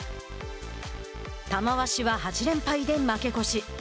玉鷲は、８連敗で負け越し。